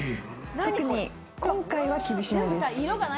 特に今回は厳しめです。